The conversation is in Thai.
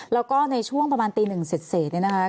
แล้วก็ในช่วงประมาณตีหนึ่งเสร็จเนี่ยนะคะ